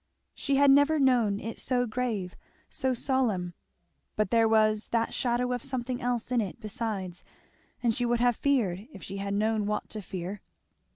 She had never known it so grave, so solemn; but there was that shadow of something else in it besides, and she would have feared if she had known what to fear.